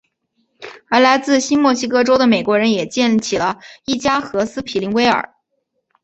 而来自新墨西哥州的美国人也建起了伊加和斯皮灵威尔。